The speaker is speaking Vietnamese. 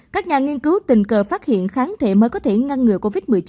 các nhà nghiên cứu tình cờ phát hiện kháng thể mới có thể ngăn ngừa covid một mươi chín